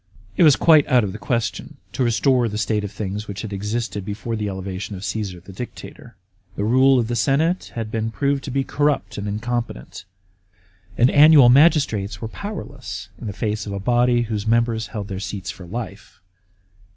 It was quite out of the question to restore the state oi things which had existed before the elevation of Caesar, the Dictator. The rule of the senate had been proved to be corrupt and incompetent, and annual magistrates were powerless in the face of a body whose members held their seats for life.